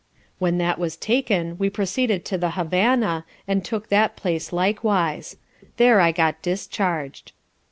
When that was taken we proceeded to the Havannah, and took that place likewise. There I got discharged.